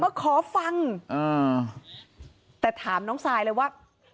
มาขอฟังอ่าแต่ถามน้องซายเลยว่า